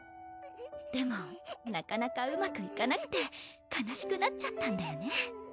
でもなかなかうまくいかなくて悲しくなっちゃったんだよね？